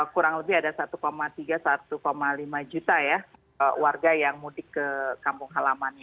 kurang lebih ada satu tiga satu lima juta ya warga yang mudik ke kampung halamannya